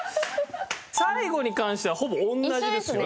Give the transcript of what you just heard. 最後に関してはほぼ同じですよね。